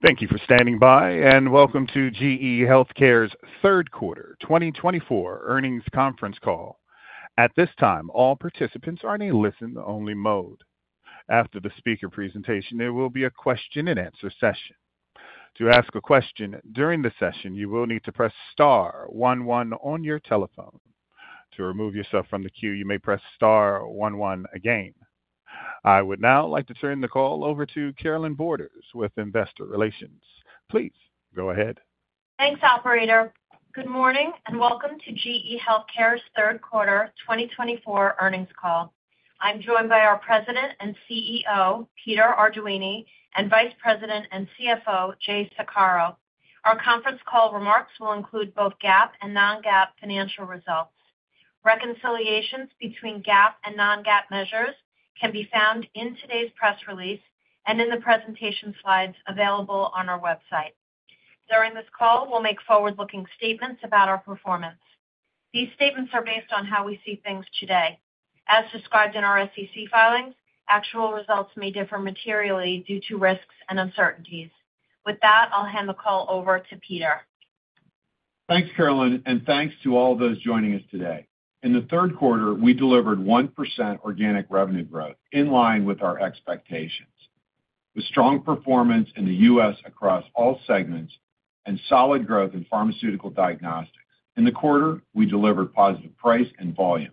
Thank you for standing by, and welcome to GE HealthCare's Third Quarter 2024 Earnings Conference Call. At this time, all participants are in a listen-only mode. After the speaker presentation, there will be a question-and-answer session. To ask a question during the session, you will need to press Star one one on your telephone. To remove yourself from the queue, you may press Star one one again. I would now like to turn the call over to Carolynne Borders with Investor Relations. Please go ahead. Thanks, Operator. Good morning and welcome to GE HealthCare's Third Quarter 2024 Earnings Call. I'm joined by our President and CEO, Peter Arduini, and Vice President and CFO, Jay Saccaro. Our conference call remarks will include both GAAP and non-GAAP financial results. Reconciliations between GAAP and non-GAAP measures can be found in today's press release and in the presentation slides available on our website. During this call, we'll make forward-looking statements about our performance. These statements are based on how we see things today. As described in our SEC filings, actual results may differ materially due to risks and uncertainties. With that, I'll hand the call over to Peter. Thanks, Carolynne, and thanks to all those joining us today. In the third quarter, we delivered 1% organic revenue growth in line with our expectations, with strong performance in the U.S. across all segments and solid growth in pharmaceutical diagnostics. In the quarter, we delivered positive price and volume.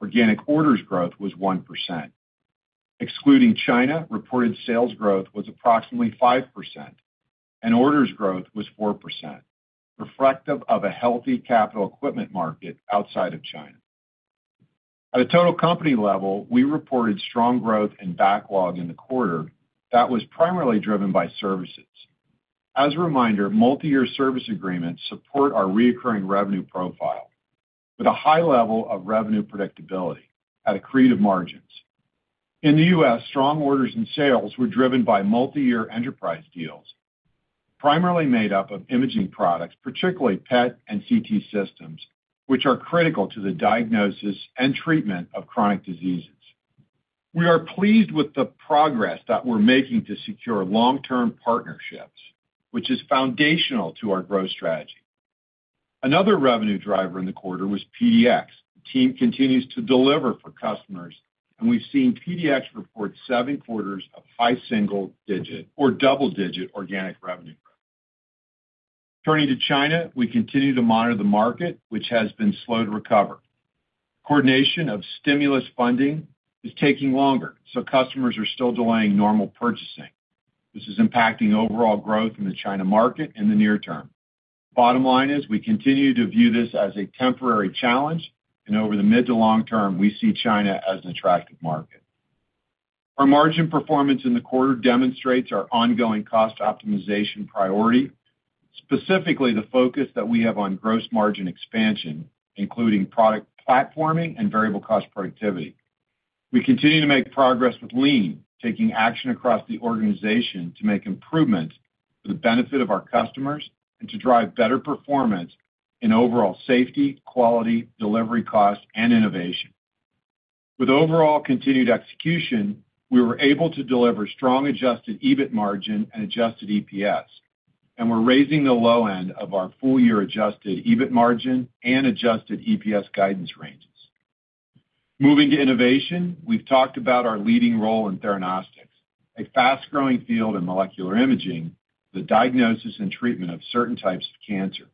Organic orders growth was 1%. Excluding China, reported sales growth was approximately 5%, and orders growth was 4%, reflective of a healthy capital equipment market outside of China. At a total company level, we reported strong growth and backlog in the quarter that was primarily driven by services. As a reminder, multi-year service agreements support our recurring revenue profile with a high level of revenue predictability at attractive margins. In the U.S., strong orders and sales were driven by multi-year enterprise deals, primarily made up of imaging products, particularly PET and CT systems, which are critical to the diagnosis and treatment of chronic diseases. We are pleased with the progress that we're making to secure long-term partnerships, which is foundational to our growth strategy. Another revenue driver in the quarter was PDX. The team continues to deliver for customers, and we've seen PDX report seven quarters of high single-digit or double-digit organic revenue growth. Turning to China, we continue to monitor the market, which has been slow to recover. Coordination of stimulus funding is taking longer, so customers are still delaying normal purchasing. This is impacting overall growth in the China market in the near term. Bottom line is we continue to view this as a temporary challenge, and over the mid to long term, we see China as an attractive market. Our margin performance in the quarter demonstrates our ongoing cost optimization priority, specifically the focus that we have on gross margin expansion, including product platforming and Variable Cost Productivity. We continue to make progress with Lean, taking action across the organization to make improvements for the benefit of our customers and to drive better performance in overall safety, quality, delivery costs, and innovation. With overall continued execution, we were able to deliver strong Adjusted EBIT Margin and Adjusted EPS, and we're raising the low end of our full-year Adjusted EBIT Margin and Adjusted EPS guidance ranges. Moving to innovation, we've talked about our leading role in theranostics, a fast-growing field in molecular imaging, the diagnosis and treatment of certain types of cancer.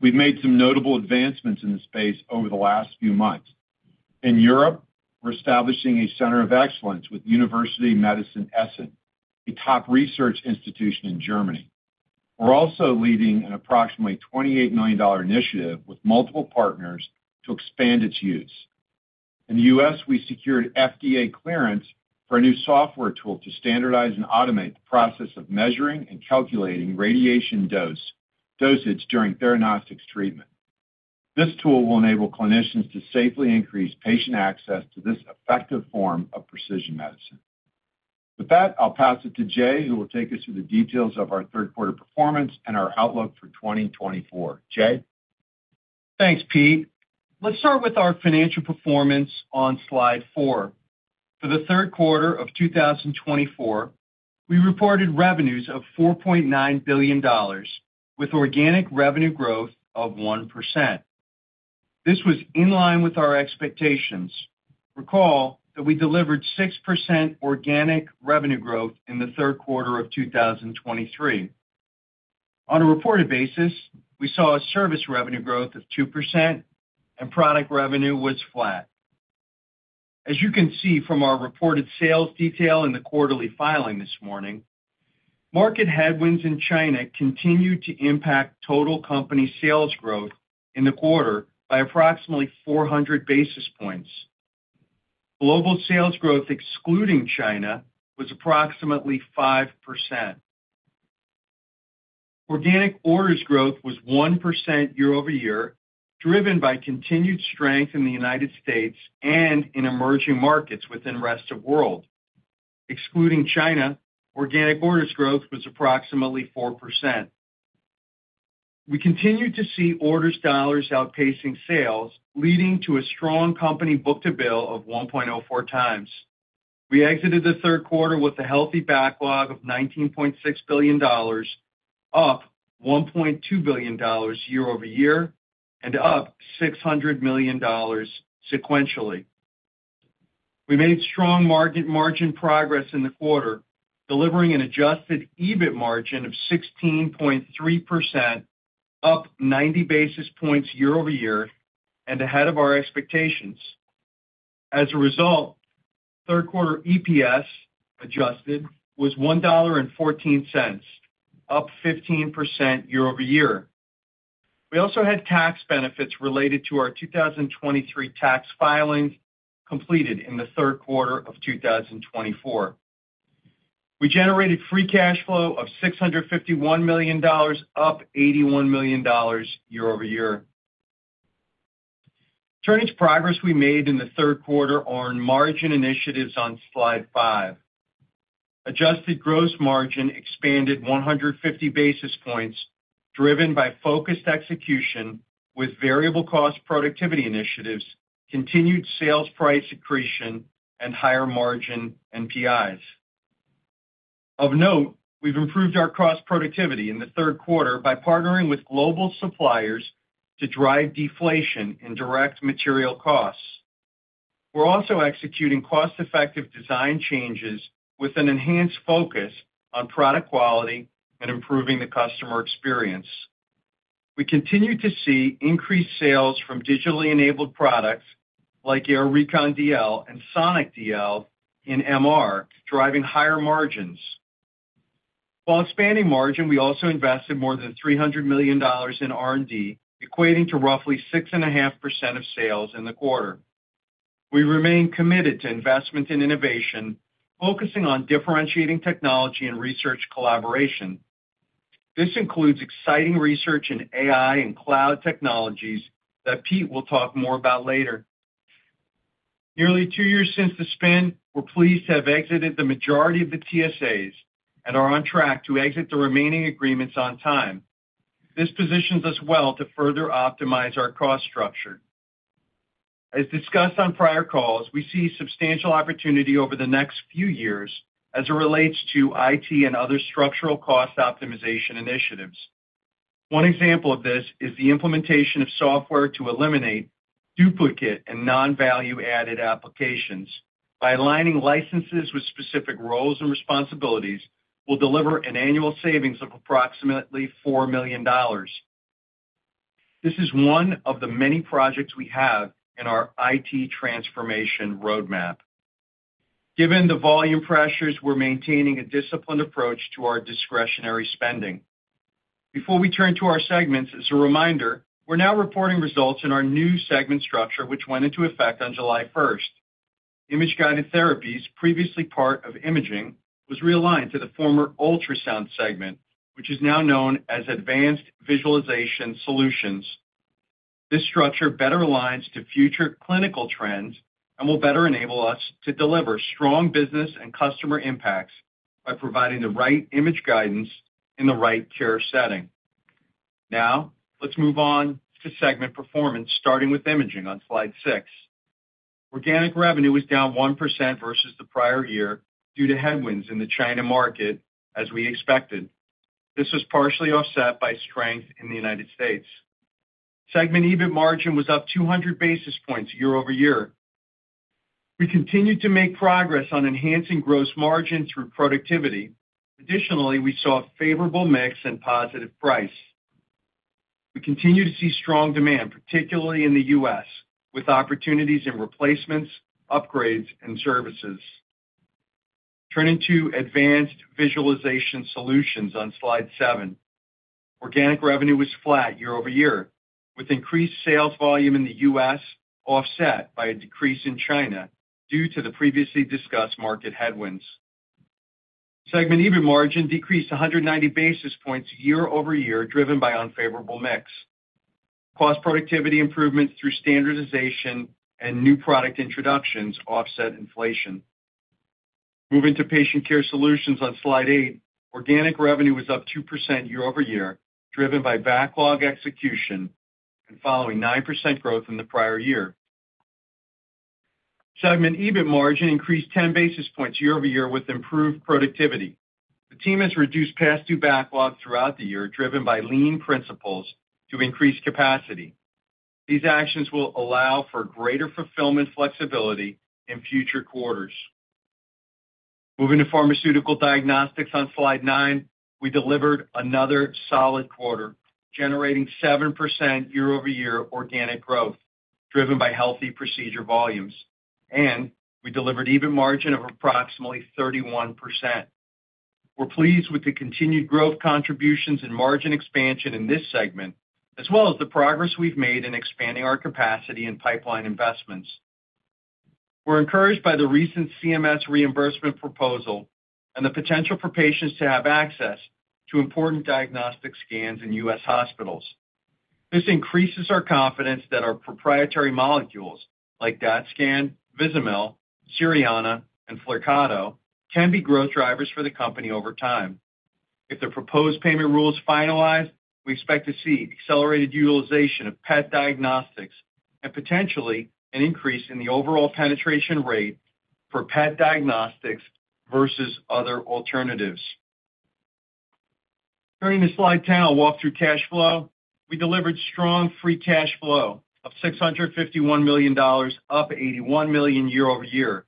We've made some notable advancements in the space over the last few months. In Europe, we're establishing a center of excellence with University Medicine Essen, a top research institution in Germany. We're also leading an approximately $28 million initiative with multiple partners to expand its use. In the U.S., we secured FDA clearance for a new software tool to standardize and automate the process of measuring and calculating radiation dosage during theranostics treatment. This tool will enable clinicians to safely increase patient access to this effective form of precision medicine. With that, I'll pass it to Jay, who will take us through the details of our third quarter performance and our outlook for 2024. Jay? Thanks, Pete. Let's start with our financial performance on slide four. For the third quarter of 2024, we reported revenues of $4.9 billion, with organic revenue growth of 1%. This was in line with our expectations. Recall that we delivered 6% organic revenue growth in the third quarter of 2023. On a reported basis, we saw a service revenue growth of 2%, and product revenue was flat. As you can see from our reported sales detail in the quarterly filing this morning, market headwinds in China continued to impact total company sales growth in the quarter by approximately 400 basis points. Global sales growth, excluding China, was approximately 5%. Organic orders growth was 1% year over year, driven by continued strength in the United States and in emerging markets within the rest of the world. Excluding China, organic orders growth was approximately 4%. We continued to see orders dollars outpacing sales, leading to a strong company book-to-bill of 1.04 times. We exited the third quarter with a healthy backlog of $19.6 billion, up $1.2 billion year-over-year, and up $600 million sequentially. We made strong margin progress in the quarter, delivering an adjusted EBIT margin of 16.3%, up 90 basis points year-over-year, and ahead of our expectations. As a result, third quarter EPS adjusted was $1.14, up 15% year-over-year. We also had tax benefits related to our 2023 tax filings completed in the third quarter of 2024. We generated free cash flow of $651 million, up $81 million year over year. Turning to progress we made in the third quarter on margin initiatives on slide five, adjusted gross margin expanded 150 basis points, driven by focused execution with variable cost productivity initiatives, continued sales price accretion, and higher margin NPIs. Of note, we've improved our cost productivity in the third quarter by partnering with global suppliers to drive deflation in direct material costs. We're also executing cost-effective design changes with an enhanced focus on product quality and improving the customer experience. We continue to see increased sales from digitally enabled products like AIR Recon DL and Sonic DL in MR, driving higher margins. While expanding margin, we also invested more than $300 million in R&D, equating to roughly 6.5% of sales in the quarter. We remain committed to investment in innovation, focusing on differentiating technology and research collaboration. This includes exciting research in AI and cloud technologies that Pete will talk more about later. Nearly two years since the spin, we're pleased to have exited the majority of the TSAs and are on track to exit the remaining agreements on time. This positions us well to further optimize our cost structure. As discussed on prior calls, we see substantial opportunity over the next few years as it relates to IT and other structural cost optimization initiatives. One example of this is the implementation of software to eliminate duplicate and non-value-added applications. By aligning licenses with specific roles and responsibilities, we'll deliver an annual savings of approximately $4 million. This is one of the many projects we have in our IT transformation roadmap. Given the volume pressures, we're maintaining a disciplined approach to our discretionary spending. Before we turn to our segments, as a reminder, we're now reporting results in our new segment structure, which went into effect on July 1st. Image-guided therapies, previously part of imaging, was realigned to the former ultrasound segment, which is now known as advanced visualization solutions. This structure better aligns to future clinical trends and will better enable us to deliver strong business and customer impacts by providing the right image guidance in the right care setting. Now, let's move on to segment performance, starting with imaging on slide six. Organic revenue is down 1% versus the prior year due to headwinds in the China market, as we expected. This was partially offset by strength in the United States. Segment EBIT margin was up 200 basis points year-over-year. We continue to make progress on enhancing gross margin through productivity. Additionally, we saw a favorable mix and positive price. We continue to see strong demand, particularly in the U.S., with opportunities in replacements, upgrades, and services. Turning to advanced visualization solutions on slide seven, organic revenue was flat year-over-year, with increased sales volume in the U.S. offset by a decrease in China due to the previously discussed market headwinds. Segment EBIT margin decreased 190 basis points year-over-year, driven by unfavorable mix. Cost productivity improvements through standardization and new product introductions offset inflation. Moving to patient care solutions on slide eight, organic revenue was up 2% year over year, driven by backlog execution and following 9% growth in the prior year. Segment EBIT margin increased 10 basis points year-over-year with improved productivity. The team has reduced past due backlog throughout the year, driven by lean principles to increase capacity. These actions will allow for greater fulfillment flexibility in future quarters. Moving to Pharmaceutical Diagnostics on slide nine, we delivered another solid quarter, generating 7% year-over-year organic growth, driven by healthy procedure volumes, and we delivered EBIT margin of approximately 31%. We're pleased with the continued growth contributions and margin expansion in this segment, as well as the progress we've made in expanding our capacity and pipeline investments. We're encouraged by the recent CMS reimbursement proposal and the potential for patients to have access to important diagnostic scans in U.S. hospitals. This increases our confidence that our proprietary molecules like DaTscan, Vizamyl, Cerianna, and Flyrcado can be growth drivers for the company over time. If the proposed payment rules finalize, we expect to see accelerated utilization of PET diagnostics and potentially an increase in the overall penetration rate for PET diagnostics versus other alternatives. Turning to slide 10, I'll walk through cash flow. We delivered strong free cash flow of $651 million, up $81 million year-over-year.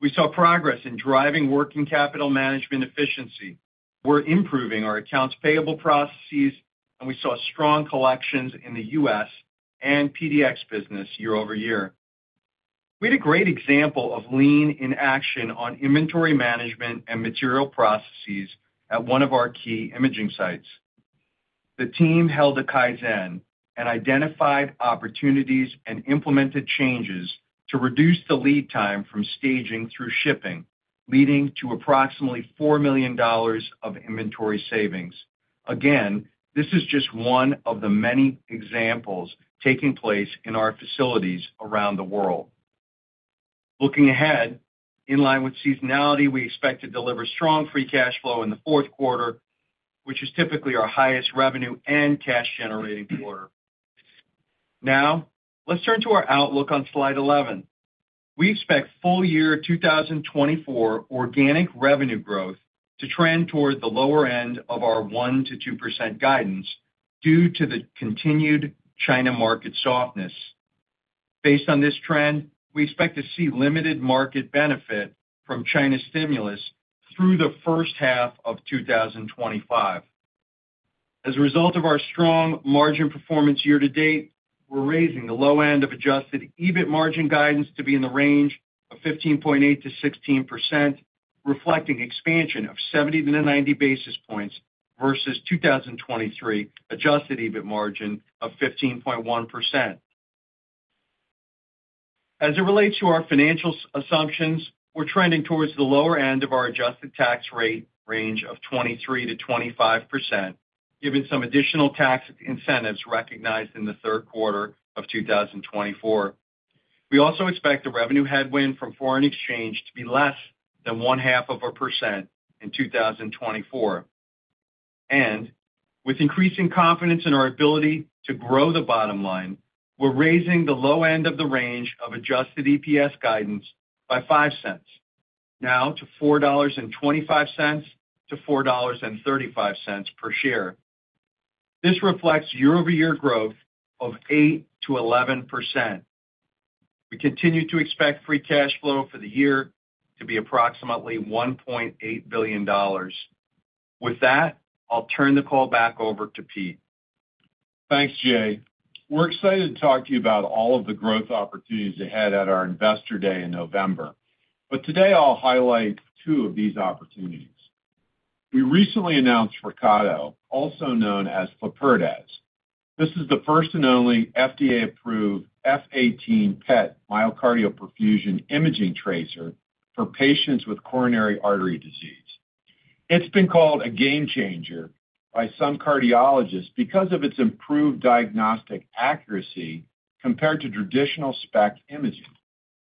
We saw progress in driving working capital management efficiency. We're improving our accounts payable processes, and we saw strong collections in the U.S. and PDX business year-over-year. We had a great example of lean in action on inventory management and material processes at one of our key imaging sites. The team held a kaizen and identified opportunities and implemented changes to reduce the lead time from staging through shipping, leading to approximately $4 million of inventory savings. Again, this is just one of the many examples taking place in our facilities around the world. Looking ahead, in line with seasonality, we expect to deliver strong free cash flow in the fourth quarter, which is typically our highest revenue and cash-generating quarter. Now, let's turn to our outlook on slide 11. We expect full year 2024 organic revenue growth to trend toward the lower end of our 1%-2% guidance due to the continued China market softness. Based on this trend, we expect to see limited market benefit from China stimulus through the first half of 2025. As a result of our strong margin performance year to date, we're raising the low end of adjusted EBIT margin guidance to be in the range of 15.8%-16%, reflecting expansion of 70-90 basis points versus 2023 adjusted EBIT margin of 15.1%. As it relates to our financial assumptions, we're trending towards the lower end of our adjusted tax rate range of 23%-25%, given some additional tax incentives recognized in the third quarter of 2024. We also expect the revenue headwind from foreign exchange to be less than 0.5% in 2024. With increasing confidence in our ability to grow the bottom line, we're raising the low end of the range of adjusted EPS guidance by $0.05, now to $4.25-$4.35 per share. This reflects year-over-year growth of 8%-11%. We continue to expect free cash flow for the year to be approximately $1.8 billion. With that, I'll turn the call back over to Pete. Thanks, Jay. We're excited to talk to you about all of the growth opportunities ahead at our Investor Day in November. Today, I'll highlight two of these opportunities. We recently announced Flyrcado, also known as flurpiridaz. This is the first and only FDA-approved F 18 PET myocardial perfusion imaging tracer for patients with coronary artery disease. It's been called a game changer by some cardiologists because of its improved diagnostic accuracy compared to traditional SPECT imaging.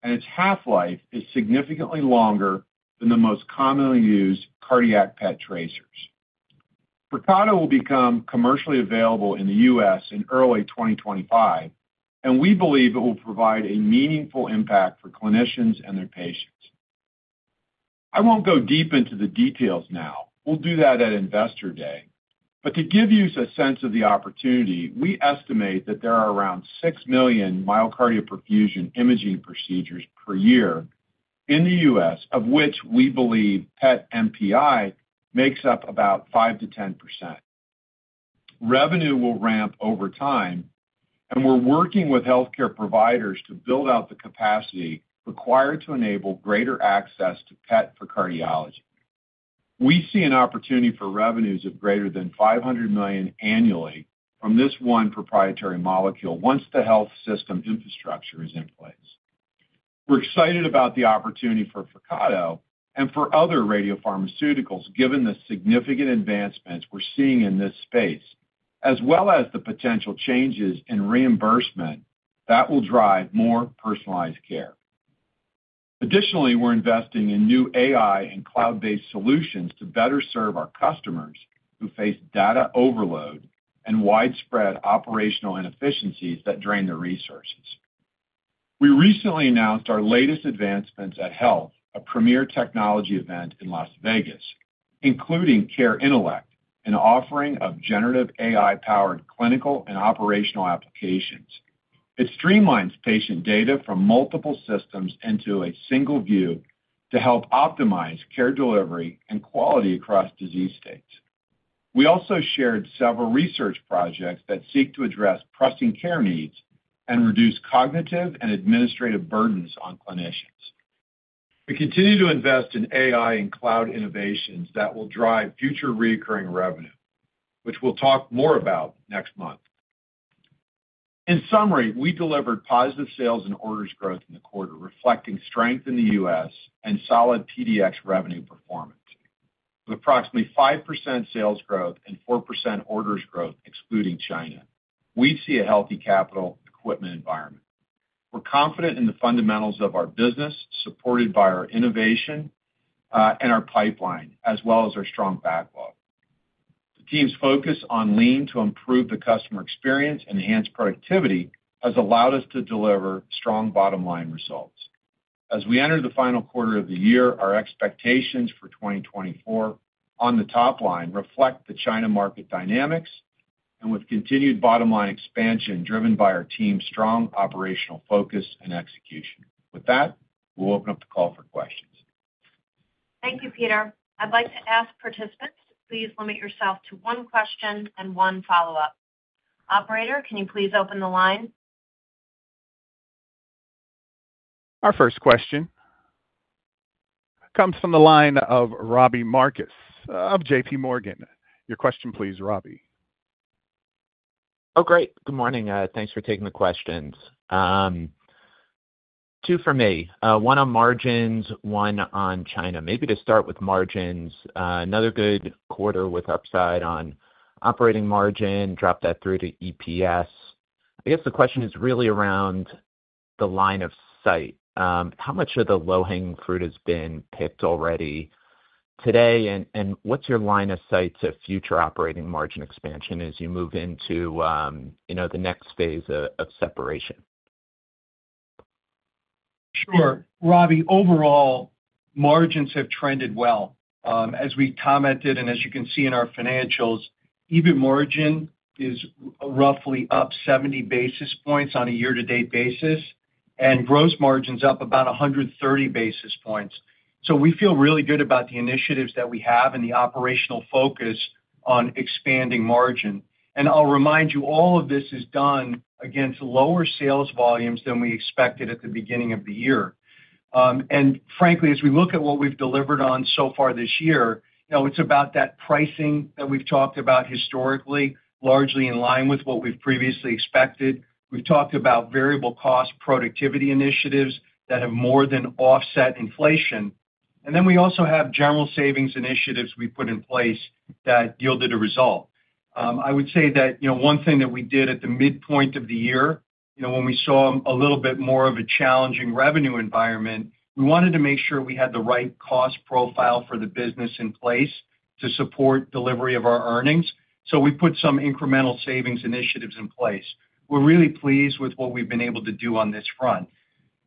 Its half-life is significantly longer than the most commonly used cardiac PET tracers. Flyrcado will become commercially available in the U.S. in early 2025, and we believe it will provide a meaningful impact for clinicians and their patients. I won't go deep into the details now. We'll do that at Investor Day. But to give you a sense of the opportunity, we estimate that there are around six million myocardial perfusion imaging procedures per year in the U.S., of which we believe PET MPI makes up about 5%-10%. Revenue will ramp over time, and we're working with healthcare providers to build out the capacity required to enable greater access to PET for cardiology. We see an opportunity for revenues of greater than $500 million annually from this one proprietary molecule once the health system infrastructure is in place. We're excited about the opportunity for Flyrcado and for other radiopharmaceuticals, given the significant advancements we're seeing in this space, as well as the potential changes in reimbursement that will drive more personalized care. Additionally, we're investing in new AI and cloud-based solutions to better serve our customers who face data overload and widespread operational inefficiencies that drain their resources. We recently announced our latest advancements at HLTH, a premier technology event in Las Vegas, including CareIntellect, an offering of generative AI-powered clinical and operational applications. It streamlines patient data from multiple systems into a single view to help optimize care delivery and quality across disease states. We also shared several research projects that seek to address pressing care needs and reduce cognitive and administrative burdens on clinicians. We continue to invest in AI and cloud innovations that will drive future recurring revenue, which we'll talk more about next month. In summary, we delivered positive sales and orders growth in the quarter, reflecting strength in the U.S. and solid PDX revenue performance. With approximately 5% sales growth and 4% orders growth, excluding China, we see a healthy capital equipment environment. We're confident in the fundamentals of our business, supported by our innovation and our pipeline, as well as our strong backlog. The team's focus on lean to improve the customer experience and enhance productivity has allowed us to deliver strong bottom-line results. As we enter the final quarter of the year, our expectations for 2024 on the top line reflect the China market dynamics, and with continued bottom-line expansion driven by our team's strong operational focus and execution. With that, we'll open up the call for questions. Thank you, Peter. I'd like to ask participants, please limit yourself to one question and one follow-up. Operator, can you please open the line? Our first question comes from the line of Robbie Marcus of JPMorgan. Your question, please, Robbie. Oh, great. Good morning. Thanks for taking the questions. Two for me. One on margins, one on China. Maybe to start with margins. Another good quarter with upside on operating margin. Drop that through to EPS. I guess the question is really around the line of sight. How much of the low-hanging fruit has been picked already today, and what's your line of sight to future operating margin expansion as you move into the next phase of separation? Sure. Robbie, overall, margins have trended well. As we commented, and as you can see in our financials, EBIT margin is roughly up 70 basis points on a year-to-date basis, and gross margin's up about 130 basis points. So we feel really good about the initiatives that we have and the operational focus on expanding margin. And I'll remind you, all of this is done against lower sales volumes than we expected at the beginning of the year. And frankly, as we look at what we've delivered on so far this year, it's about that pricing that we've talked about historically, largely in line with what we've previously expected. We've talked about variable cost productivity initiatives that have more than offset inflation. And then we also have general savings initiatives we put in place that yielded a result. I would say that one thing that we did at the midpoint of the year, when we saw a little bit more of a challenging revenue environment, we wanted to make sure we had the right cost profile for the business in place to support delivery of our earnings. So we put some incremental savings initiatives in place. We're really pleased with what we've been able to do on this front.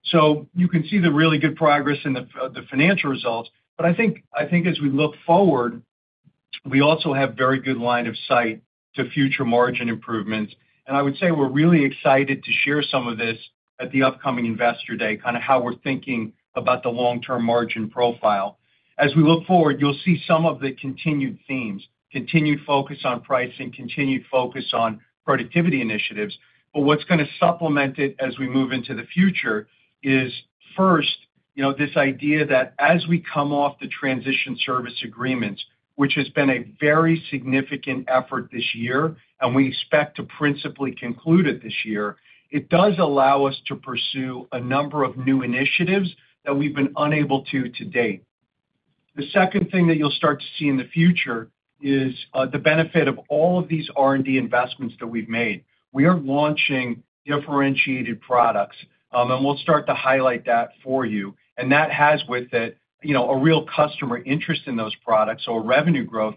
So you can see the really good progress in the financial results. But I think as we look forward, we also have a very good line of sight to future margin improvements. And I would say we're really excited to share some of this at the upcoming Investor Day, kind of how we're thinking about the long-term margin profile. As we look forward, you'll see some of the continued themes, continued focus on pricing, continued focus on productivity initiatives. But what's going to supplement it as we move into the future is, first, this idea that as we come off the transition service agreements, which has been a very significant effort this year, and we expect to principally conclude it this year, it does allow us to pursue a number of new initiatives that we've been unable to date. The second thing that you'll start to see in the future is the benefit of all of these R&D investments that we've made. We are launching differentiated products, and we'll start to highlight that for you. And that has with it a real customer interest in those products, so a revenue growth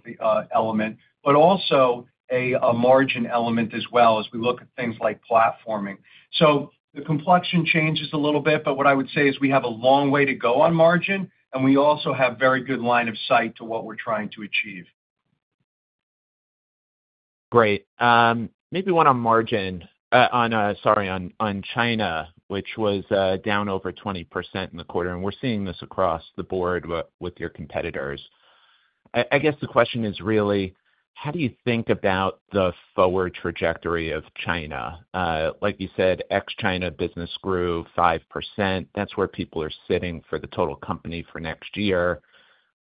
element, but also a margin element as well as we look at things like platforming. So the complexion changes a little bit, but what I would say is we have a long way to go on margin, and we also have a very good line of sight to what we're trying to achieve. Great. Maybe one on margin on, sorry, on China, which was down over 20% in the quarter. And we're seeing this across the board with your competitors. I guess the question is really, how do you think about the forward trajectory of China? Like you said, ex-China business grew 5%. That's where people are sitting for the total company for next year.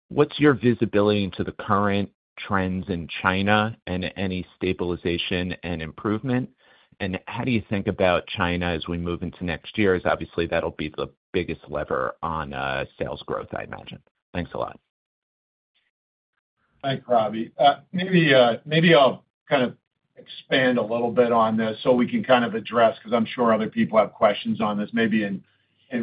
What's your visibility into the current trends in China and any stabilization and improvement? And how do you think about China as we move into next year? Obviously, that'll be the biggest lever on sales growth, I imagine. Thanks a lot. Thanks, Robbie. Maybe I'll kind of expand a little bit on this so we can kind of address, because I'm sure other people have questions on this. Maybe in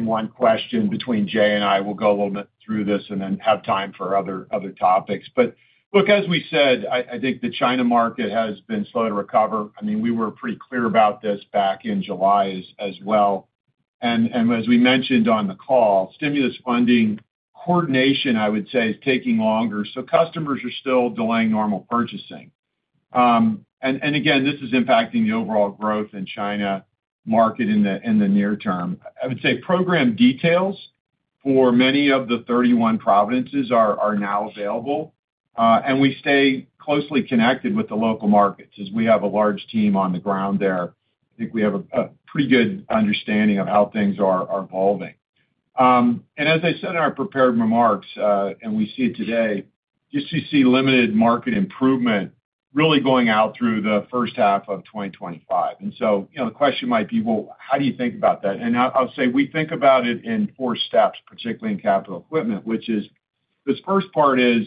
one question between Jay and I, we'll go a little bit through this and then have time for other topics. But look, as we said, I think the China market has been slow to recover. I mean, we were pretty clear about this back in July as well. And as we mentioned on the call, stimulus funding coordination, I would say, is taking longer. So customers are still delaying normal purchasing. And again, this is impacting the overall growth in China market in the near term. I would say program details for many of the 31 provinces are now available. And we stay closely connected with the local markets as we have a large team on the ground there. I think we have a pretty good understanding of how things are evolving. And as I said in our prepared remarks, and we see it today, just to see limited market improvement really going out through the first half of 2025. And so the question might be, well, how do you think about that? And I'll say we think about it in four steps, particularly in capital equipment, which is this first part is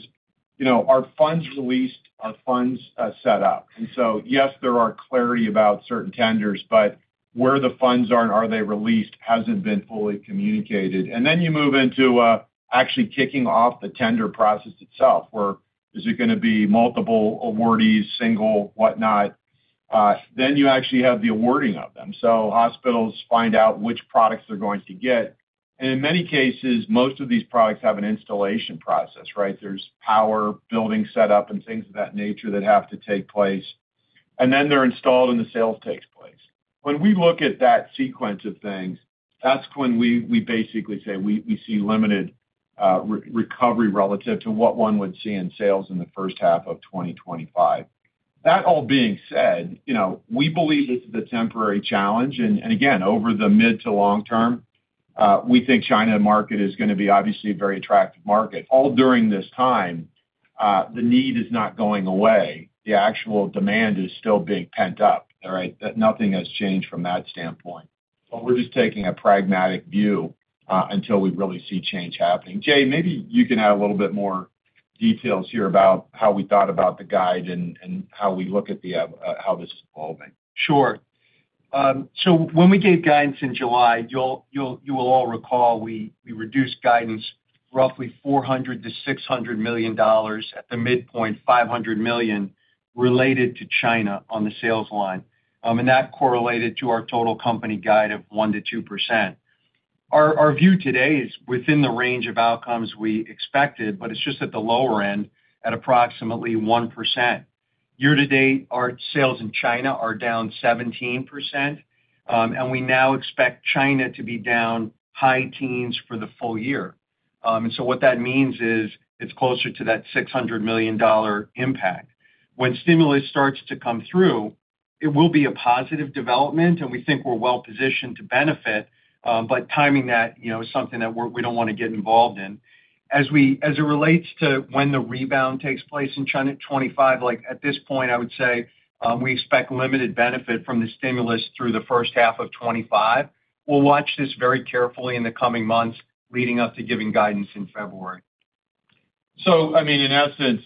our funds released, our funds set up. And so yes, there are clarity about certain tenders, but where the funds are and are they released hasn't been fully communicated. And then you move into actually kicking off the tender process itself, where is it going to be multiple awardees, single, whatnot. Then you actually have the awarding of them. So hospitals find out which products they're going to get. In many cases, most of these products have an installation process, right? There's power, building setup, and things of that nature that have to take place. Then they're installed and the sales takes place. When we look at that sequence of things, that's when we basically say we see limited recovery relative to what one would see in sales in the first half of 2025. That all being said, we believe this is a temporary challenge. Again, over the mid to long term, we think China market is going to be obviously a very attractive market. All during this time, the need is not going away. The actual demand is still being pent up, right? Nothing has changed from that standpoint. We're just taking a pragmatic view until we really see change happening. Jay, maybe you can add a little bit more details here about how we thought about the guide and how we look at how this is evolving. Sure. So when we gave guidance in July, you will all recall we reduced guidance roughly $400 million-$600 million at the midpoint, $500 million related to China on the sales line, and that correlated to our total company guide of 1%-2%. Our view today is within the range of outcomes we expected, but it's just at the lower end at approximately 1%. Year-to-date, our sales in China are down 17%. And we now expect China to be down high teens for the full year. And so what that means is it's closer to that $600 million impact. When stimulus starts to come through, it will be a positive development, and we think we're well-positioned to benefit. Timing that is something that we don't want to get involved in. As it relates to when the rebound takes place in China in 2025, like at this point, I would say we expect limited benefit from the stimulus through the first half of 2025. We'll watch this very carefully in the coming months leading up to giving guidance in February.I mean, in essence,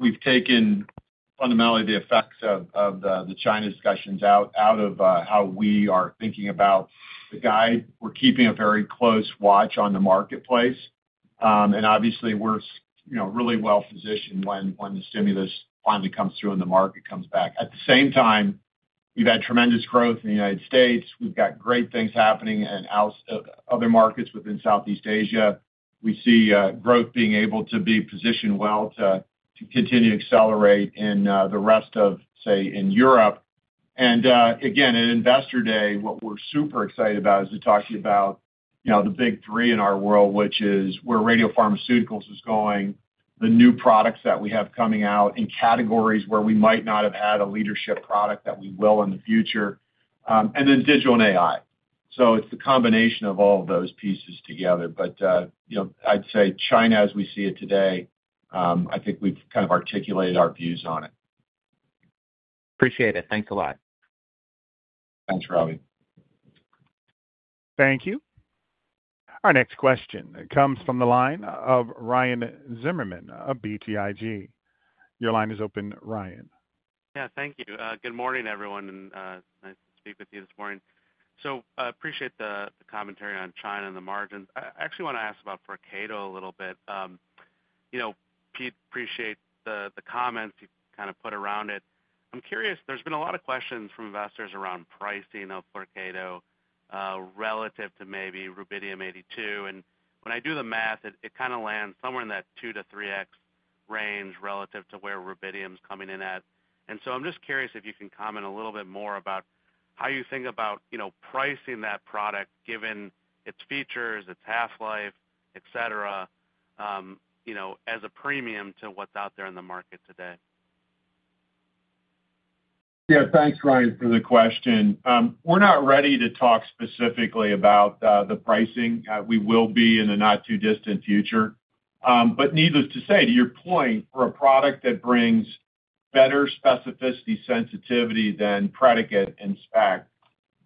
we've taken fundamentally the effects of the China discussions out of how we are thinking about the guide. We're keeping a very close watch on the marketplace. Obviously, we're really well-positioned when the stimulus finally comes through and the market comes back. At the same time, we've had tremendous growth in the United States. We've got great things happening in other markets within Southeast Asia. We see growth being able to be positioned well to continue to accelerate in the rest of, say, in Europe, and again, at Investor Day, what we're super excited about is to talk to you about the big three in our world, which is where radiopharmaceuticals is going, the new products that we have coming out in categories where we might not have had a leadership product that we will in the future, and then digital and AI, so it's the combination of all of those pieces together, but I'd say China, as we see it today, I think we've kind of articulated our views on it. Appreciate it. Thanks a lot. Thanks, Robbie. Thank you. Our next question comes from the line of Ryan Zimmerman of BTIG. Your line is open, Ryan. Yeah, thank you. Good morning, everyone, and nice to speak with you this morning, so I appreciate the commentary on China and the margins. I actually want to ask about Flyrcado a little bit. Appreciate the comments you've kind of put around it. I'm curious, there's been a lot of questions from investors around pricing of Flyrcado relative to maybe Rubidium-82, and when I do the math, it kind of lands somewhere in that two- to three-x range relative to where Rubidium-82's coming in at, and so I'm just curious if you can comment a little bit more about how you think about pricing that product given its features, its half-life, etc., as a premium to what's out there in the market today. Yeah, thanks, Ryan, for the question. We're not ready to talk specifically about the pricing. We will be in the not-too-distant future. But needless to say, to your point, for a product that brings better specificity, sensitivity than predicate and SPECT,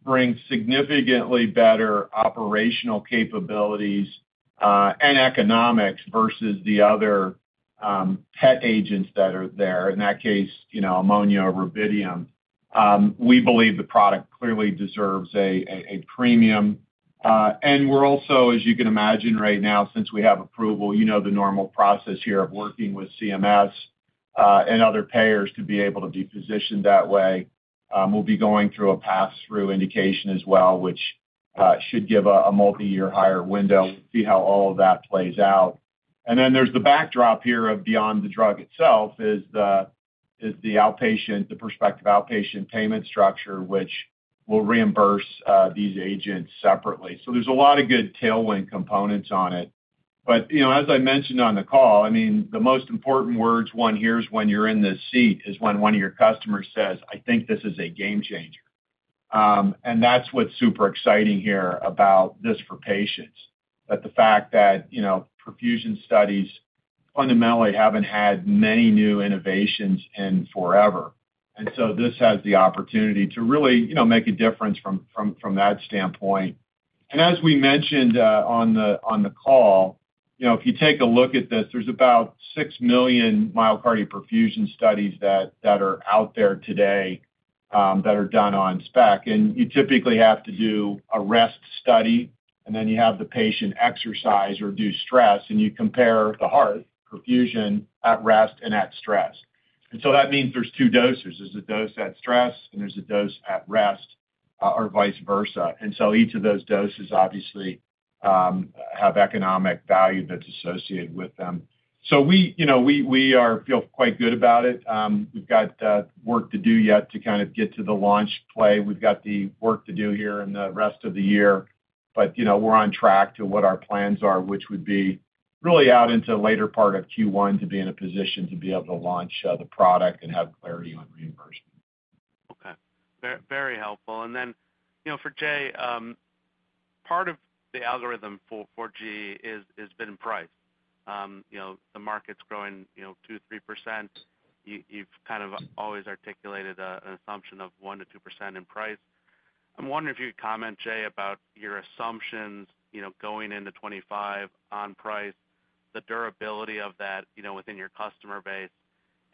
brings significantly better operational capabilities and economics versus the other PET agents that are there, in that case, ammonia or rubidium. We believe the product clearly deserves a premium. And we're also, as you can imagine right now, since we have approval, you know the normal process here of working with CMS and other payers to be able to be positioned that way. We'll be going through a pass-through indication as well, which should give a multi-year higher window. We'll see how all of that plays out. And then there's the backdrop here, beyond the drug itself, is the outpatient prospective payment structure, which will reimburse these agents separately. So there's a lot of good tailwind components on it. But as I mentioned on the call, I mean, the most important words one hears when you're in this seat is when one of your customers says, "I think this is a game changer." And that's what's super exciting here about this for patients, that the fact that perfusion studies fundamentally haven't had many new innovations in forever. And so this has the opportunity to really make a difference from that standpoint. And as we mentioned on the call, if you take a look at this, there's about 6 million myocardial perfusion studies that are out there today that are done on SPECT. You typically have to do a rest study, and then you have the patient exercise or do stress, and you compare the heart perfusion at rest and at stress. And so that means there's two doses. There's a dose at stress, and there's a dose at rest or vice versa. And so each of those doses obviously have economic value that's associated with them. So we feel quite good about it. We've got work to do yet to kind of get to the launch plan. We've got the work to do here in the rest of the year. But we're on track to what our plans are, which would be really out into the later part of Q1 to be in a position to be able to launch the product and have clarity on reimbursement. Okay. Very helpful. And then for Jay, part of the algorithm for Q4 has been price. The market's growing 2-3%. You've kind of always articulated an assumption of 1-2% in price. I'm wondering if you could comment, Jay, about your assumptions going into 2025 on price, the durability of that within your customer base,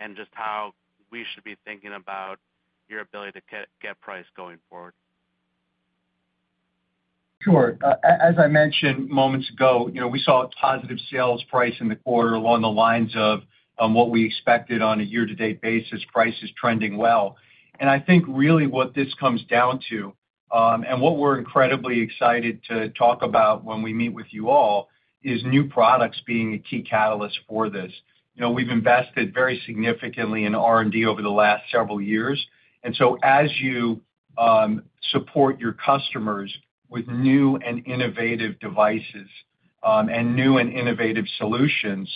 and just how we should be thinking about your ability to get price going forward? Sure. As I mentioned moments ago, we saw a positive sales price in the quarter along the lines of what we expected on a year-to-date basis, prices trending well, and I think really what this comes down to, and what we're incredibly excited to talk about when we meet with you all, is new products being a key catalyst for this. We've invested very significantly in R&D over the last several years, and so as you support your customers with new and innovative devices and new and innovative solutions,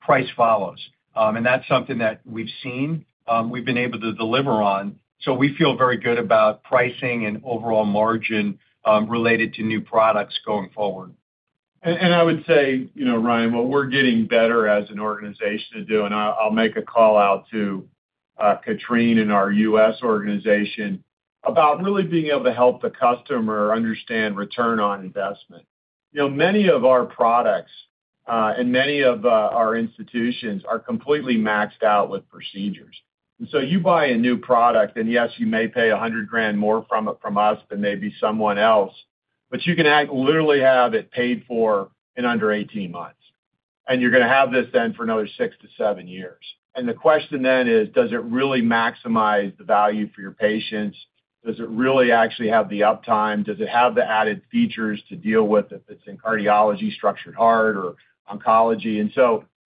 price follows, and that's something that we've seen we've been able to deliver on, so we feel very good about pricing and overall margin related to new products going forward. I would say, Ryan, what we're getting better as an organization to do, and I'll make a call out to Catherine in our U.S. organization about really being able to help the customer understand return on investment. Many of our products and many of our institutions are completely maxed out with procedures. So you buy a new product, and yes, you may pay $100,000 more from us than maybe someone else, but you can literally have it paid for in under 18 months. And you're going to have this then for another six-to-seven years. And the question then is, does it really maximize the value for your patients? Does it really actually have the uptime? Does it have the added features to deal with if it's in cardiology, structured heart, or oncology?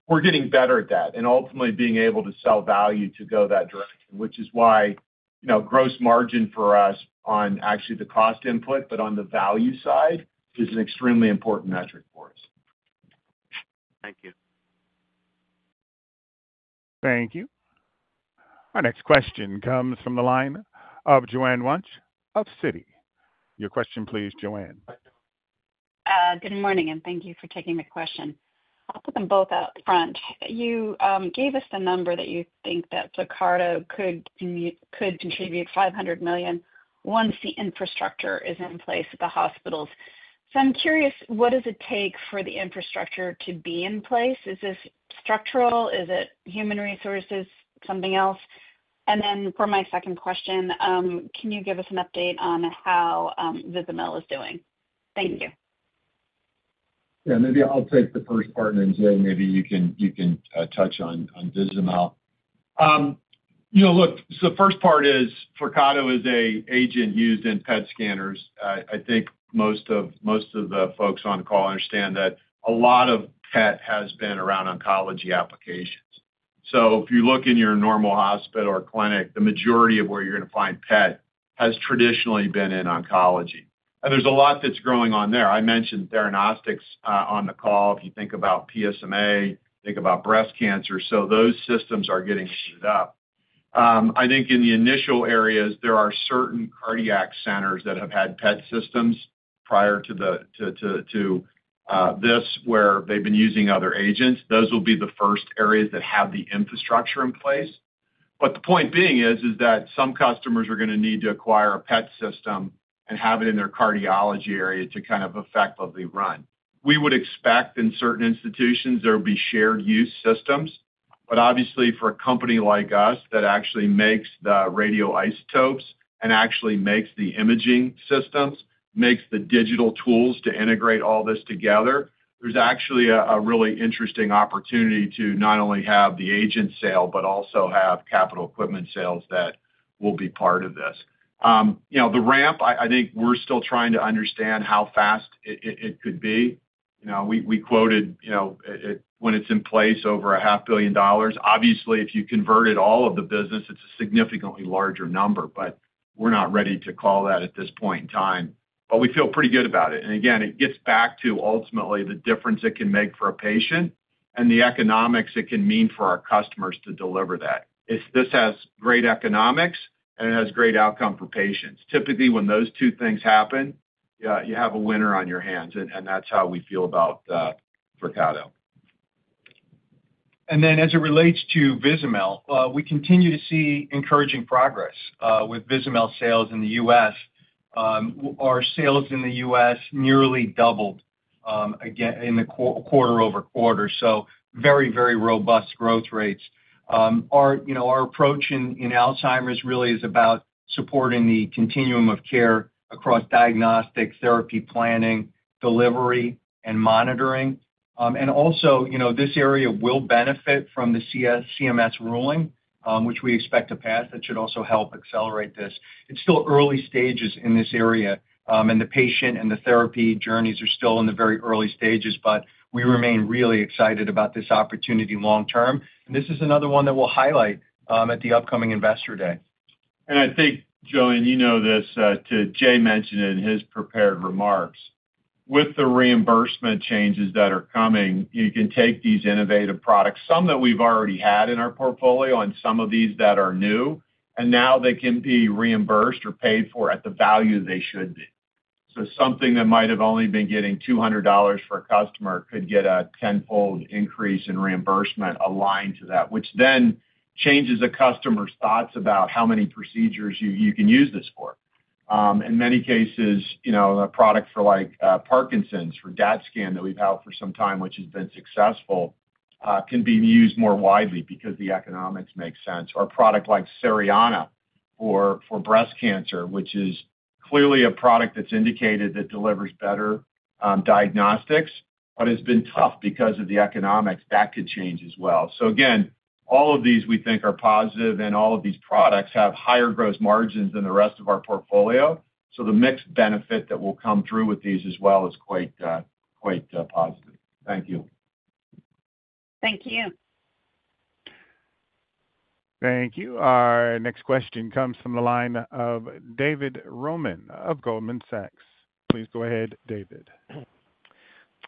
We're getting better at that and ultimately being able to sell value to go that direction, which is why gross margin for us, on actually the cost input but on the value side, is an extremely important metric for us. Thank you. Thank you. Our next question comes from the line of Joanne Wunsch of Citi. Your question, please, Joanne. Good morning, and thank you for taking the question. I'll put them both up front. You gave us the number that you think that Flyrcado could contribute $500 million once the infrastructure is in place at the hospitals. So I'm curious, what does it take for the infrastructure to be in place? Is this structural? Is it human resources? Something else? And then for my second question, can you give us an update on how Vizamyl is doing? Thank you. Yeah, maybe I'll take the first part, and then Jay, maybe you can touch on Vizamyl. Look, so the first part is Flyrcado is an agent used in PET scanners. I think most of the folks on the call understand that a lot of PET has been around oncology applications. So if you look in your normal hospital or clinic, the majority of where you're going to find PET has traditionally been in oncology. And there's a lot that's growing on there. I mentioned Theranostics on the call. If you think about PSMA, think about breast cancer. So those systems are getting used up. I think in the initial areas, there are certain cardiac centers that have had PET systems prior to this where they've been using other agents. Those will be the first areas that have the infrastructure in place. But the point being is that some customers are going to need to acquire a PET system and have it in their cardiology area to kind of effectively run. We would expect in certain institutions there would be shared use systems. But obviously, for a company like us that actually makes the radioisotopes and actually makes the imaging systems, makes the digital tools to integrate all this together, there's actually a really interesting opportunity to not only have the agent sale, but also have capital equipment sales that will be part of this. The ramp, I think we're still trying to understand how fast it could be. We quoted when it's in place over $500 million. Obviously, if you converted all of the business, it's a significantly larger number. But we're not ready to call that at this point in time. But we feel pretty good about it. And again, it gets back to ultimately the difference it can make for a patient and the economics it can mean for our customers to deliver that. This has great economics, and it has great outcome for patients. Typically, when those two things happen, you have a winner on your hands. And that's how we feel about Flyrcado. And then as it relates to Vizamyl, we continue to see encouraging progress with Vizamyl sales in the U.S. Our sales in the U.S. nearly doubled in the quarter-over-quarter. So very, very robust growth rates. Our approach in Alzheimer's really is about supporting the continuum of care across diagnostics, therapy planning, delivery, and monitoring. And also, this area will benefit from the CMS ruling, which we expect to pass. That should also help accelerate this. It's still early stages in this area. The patient and the therapy journeys are still in the very early stages. But we remain really excited about this opportunity long-term. This is another one that we'll highlight at the upcoming Investor Day. I think, Joanne, you know this, Jay mentioned it in his prepared remarks. With the reimbursement changes that are coming, you can take these innovative products, some that we've already had in our portfolio and some of these that are new, and now they can be reimbursed or paid for at the value they should be. Something that might have only been getting $200 for a customer could get a tenfold increase in reimbursement aligned to that, which then changes a customer's thoughts about how many procedures you can use this for. In many cases, a product for Parkinson's, for DaTscan that we've had for some time, which has been successful, can be used more widely because the economics make sense. Or a product like Cerianna for breast cancer, which is clearly a product that's indicated that delivers better diagnostics, but has been tough because of the economics. That could change as well. So again, all of these we think are positive, and all of these products have higher gross margins than the rest of our portfolio. So the mixed benefit that will come through with these as well is quite positive. Thank you. Thank you. Thank you. Our next question comes from the line of David Roman of Goldman Sachs. Please go ahead, David.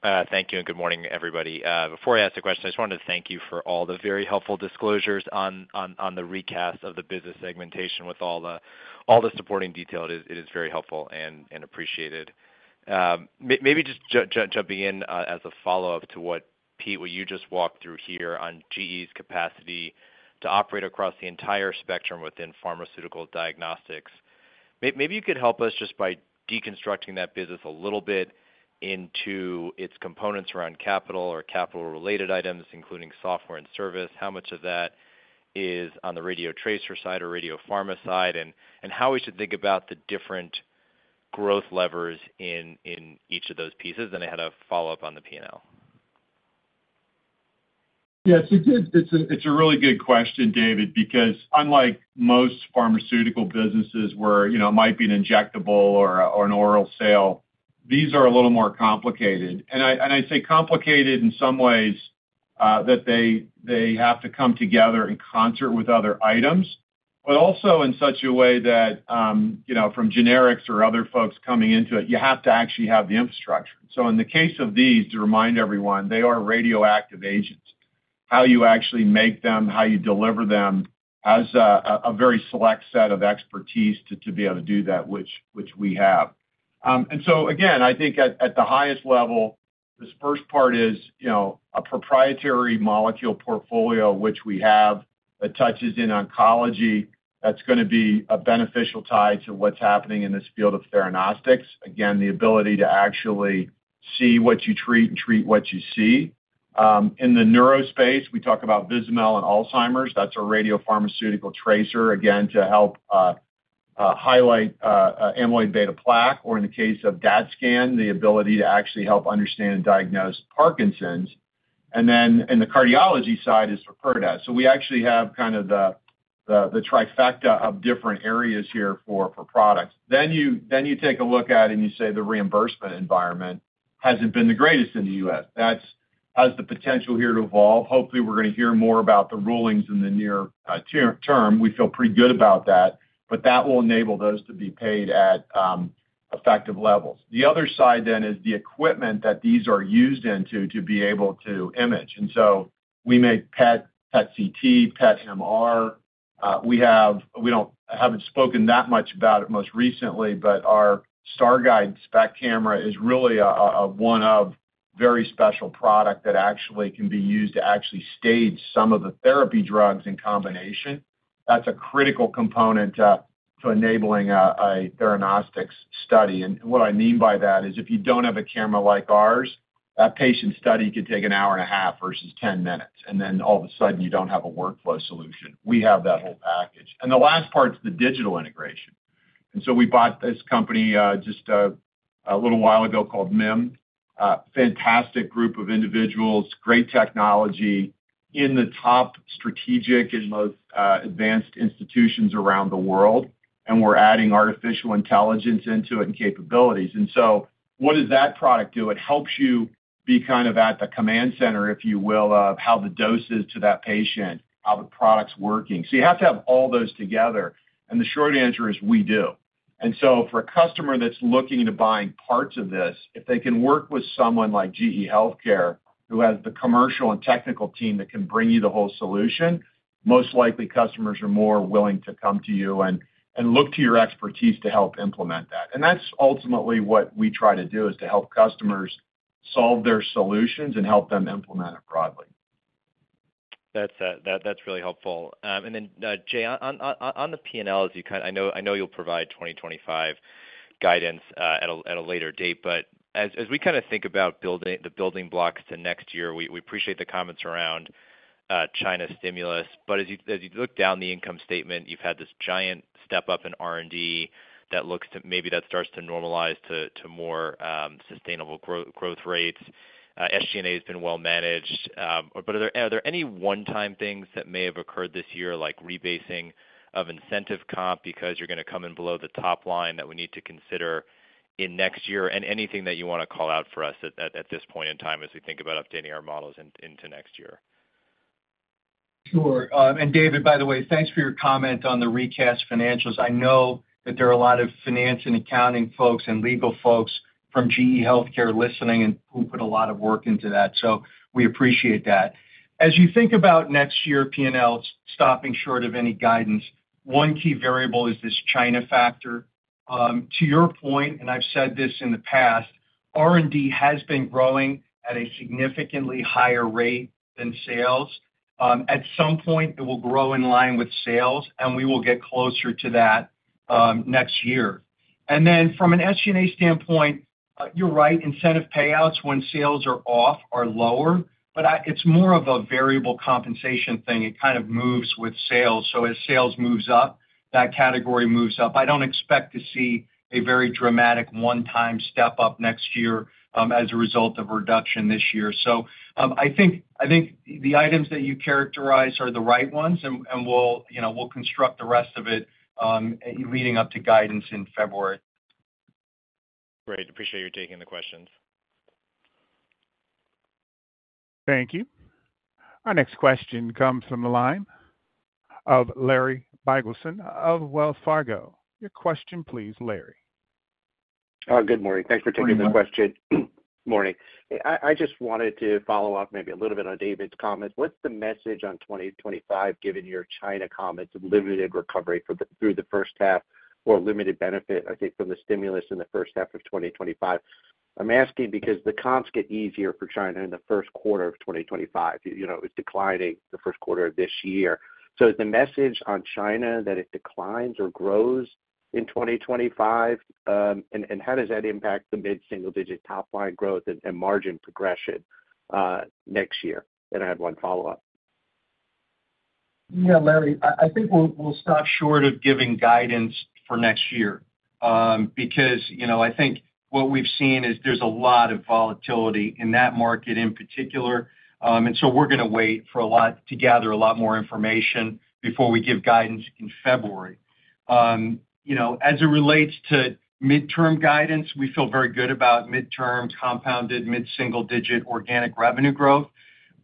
Thank you, and good morning, everybody. Before I ask the question, I just wanted to thank you for all the very helpful disclosures on the recast of the business segmentation with all the supporting detail. It is very helpful and appreciated. Maybe just jumping in as a follow-up to what Pete, what you just walked through here on GE's capacity to operate across the entire spectrum within pharmaceutical diagnostics. Maybe you could help us just by deconstructing that business a little bit into its components around capital or capital-related items, including software and service. How much of that is on the radiotracer side or radiopharma side, and how we should think about the different growth levers in each of those pieces? And I had a follow-up on the P&L. Yeah, it's a really good question, David, because unlike most pharmaceutical businesses where it might be an injectable or an oral sale, these are a little more complicated. And I say complicated in some ways that they have to come together in concert with other items, but also in such a way that from generics or other folks coming into it, you have to actually have the infrastructure. So in the case of these, to remind everyone, they are radioactive agents. How you actually make them, how you deliver them has a very select set of expertise to be able to do that, which we have. And so again, I think at the highest level, this first part is a proprietary molecule portfolio, which we have that touches in oncology. That's going to be a beneficial tie to what's happening in this field of Theranostics. Again, the ability to actually see what you treat and treat what you see. In the neuro space, we talk about Vizamyl and Alzheimer's. That's our radiopharmaceutical tracer, again, to help highlight amyloid beta plaque, or in the case of DaTscan, the ability to actually help understand and diagnose Parkinson's. And then in the cardiology side is for CADs. So we actually have kind of the trifecta of different areas here for products. Then you take a look at it and you say the reimbursement environment hasn't been the greatest in the U.S. That has the potential here to evolve. Hopefully, we're going to hear more about the rulings in the near term. We feel pretty good about that. But that will enable those to be paid at effective levels. The other side then is the equipment that these are used into to be able to image. And so we make PET CT, PET MR. We haven't spoken that much about it most recently, but our StarGuide SPECT camera is really one of very special products that actually can be used to actually stage some of the therapy drugs in combination. That's a critical component to enabling a Theranostics study. And what I mean by that is if you don't have a camera like ours, that patient study could take an hour and a half versus 10 minutes. And then all of a sudden, you don't have a workflow solution. We have that whole package. And the last part's the digital integration. And so we bought this company just a little while ago called MIM. Fantastic group of individuals, great technology in the top strategic and most advanced institutions around the world. And we're adding artificial intelligence into it and capabilities. And so what does that product do? It helps you be kind of at the command center, if you will, of how the dose is to that patient, how the product's working. So you have to have all those together. And the short answer is we do. And so for a customer that's looking to buy parts of this, if they can work with someone like GE HealthCare who has the commercial and technical team that can bring you the whole solution, most likely customers are more willing to come to you and look to your expertise to help implement that. And that's ultimately what we try to do is to help customers solve their solutions and help them implement it broadly. That's really helpful, and then, Jay, on the P&L, as you kind of I know you'll provide 2025 guidance at a later date, but as we kind of think about the building blocks to next year, we appreciate the comments around China stimulus, but as you look down the income statement, you've had this giant step up in R&D that looks to maybe that starts to normalize to more sustainable growth rates. SG&A has been well managed, but are there any one-time things that may have occurred this year, like rebasing of incentive comp because you're going to come in below the top line that we need to consider in next year, and anything that you want to call out for us at this point in time as we think about updating our models into next year? Sure. And David, by the way, thanks for your comment on the recast financials. I know that there are a lot of finance and accounting folks and legal folks from GE HealthCare listening and who put a lot of work into that. So we appreciate that. As you think about next year P&L stopping short of any guidance, one key variable is this China factor. To your point, and I've said this in the past, R&D has been growing at a significantly higher rate than sales. At some point, it will grow in line with sales, and we will get closer to that next year. And then from an SG&A standpoint, you're right, incentive payouts when sales are off are lower, but it's more of a variable compensation thing. It kind of moves with sales. So as sales moves up, that category moves up. I don't expect to see a very dramatic one-time step up next year as a result of a reduction this year. So I think the items that you characterize are the right ones, and we'll construct the rest of it leading up to guidance in February. Great. Appreciate you taking the questions. Thank you. Our next question comes from the line of Larry Biegelsen of Wells Fargo. Your question, please, Larry. Good morning. Thanks for taking the question. Good morning. I just wanted to follow up maybe a little bit on David's comments. What's the message on 2025 given your China comments of limited recovery through the first half or limited benefit, I think, from the stimulus in the first half of 2025? I'm asking because the comps get easier for China in the first quarter of 2025. It's declining the first quarter of this year. So is the message on China that it declines or grows in 2025? And how does that impact the mid-single-digit top line growth and margin progression next year? And I had one follow-up. Yeah, Larry, I think we'll stop short of giving guidance for next year because I think what we've seen is there's a lot of volatility in that market in particular, and so we're going to wait for a lot to gather a lot more information before we give guidance in February. As it relates to midterm guidance, we feel very good about midterm compounded mid-single-digit organic revenue growth.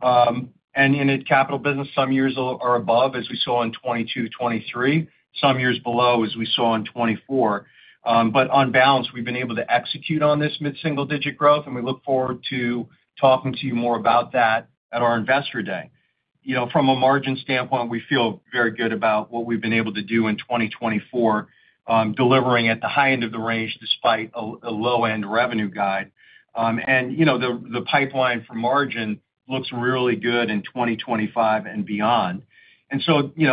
In a capital business, some years are above, as we saw in 2022, 2023; some years below, as we saw in 2024. On balance, we've been able to execute on this mid-single-digit growth, and we look forward to talking to you more about that at our Investor Day. From a margin standpoint, we feel very good about what we've been able to do in 2024, delivering at the high end of the range despite a low-end revenue guide. And the pipeline for margin looks really good in 2025 and beyond. And so that's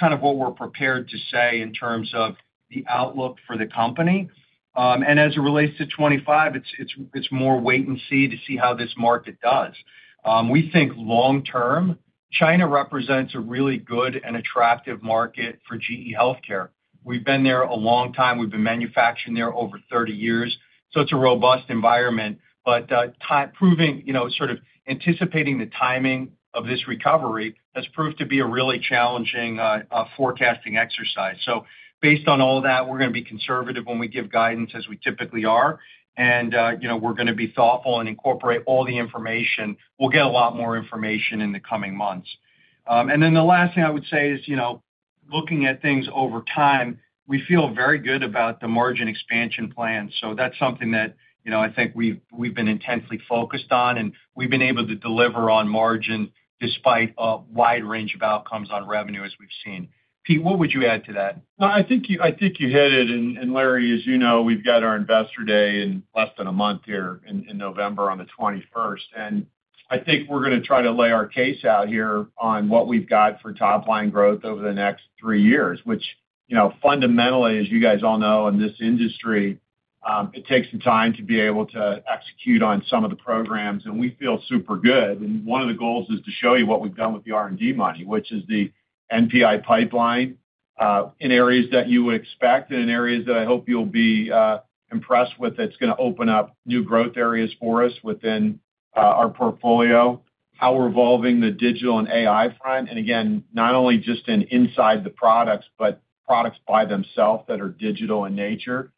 kind of what we're prepared to say in terms of the outlook for the company. And as it relates to 2025, it's more wait and see to see how this market does. We think long-term, China represents a really good and attractive market for GE HealthCare. We've been there a long time. We've been manufacturing there over 30 years. So it's a robust environment. But proving sort of anticipating the timing of this recovery has proved to be a really challenging forecasting exercise. So based on all that, we're going to be conservative when we give guidance, as we typically are. And we're going to be thoughtful and incorporate all the information. We'll get a lot more information in the coming months. And then the last thing I would say is looking at things over time, we feel very good about the margin expansion plan. So that's something that I think we've been intensely focused on, and we've been able to deliver on margin despite a wide range of outcomes on revenue as we've seen. Pete, what would you add to that? Well, I think you hit it. And Larry, as you know, we've got our Investor Day in less than a month here in November on the 21st. And I think we're going to try to lay our case out here on what we've got for top line growth over the next three years, which fundamentally, as you guys all know, in this industry, it takes some time to be able to execute on some of the programs. And we feel super good. One of the goals is to show you what we've done with the R&D money, which is the NPI pipeline in areas that you would expect and in areas that I hope you'll be impressed with. That's going to open up new growth areas for us within our portfolio, how we're evolving the digital and AI front. Again, not only just inside the products, but products by themselves that are digital in nature.